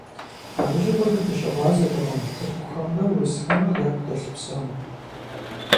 Абы щыгъуэ дэ дыщыгъуазэтэкъым тыркухэмрэ урысхэмрэ яку дэлъ псом.